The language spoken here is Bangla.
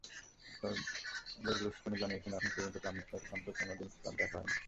তবে বেরলুসকোনি জানিয়েছেন, এখন পর্যন্ত ট্রাম্পের সঙ্গে কোনো দিন তাঁর দেখা হয়নি।